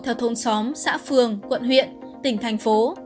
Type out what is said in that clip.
theo thôn xóm xã phường quận huyện tỉnh thành phố